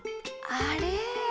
あれ？